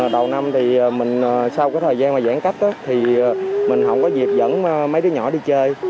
đầu năm thì mình sau cái thời gian mà giãn cách thì mình không có dịp vẫn mấy đứa nhỏ đi chơi